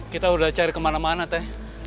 kita udah cari kemana mana teh